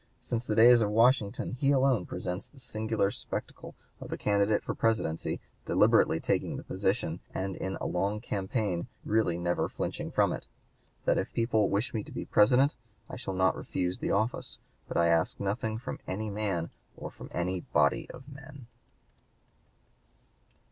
Since the days of Washington he alone presents the singular spectacle of a candidate for the Presidency deliberately taking the position, and in a long campaign really never flinching from it: "that, if the people wish me to be President I shall not refuse the office; but I ask nothing from any man or from any body of men."